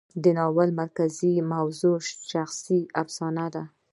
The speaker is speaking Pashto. د ناول مرکزي موضوع شخصي افسانه ده.